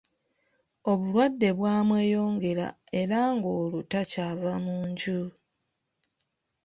Obulwadde bwamweyongera era ng’olwo takyava mu nju.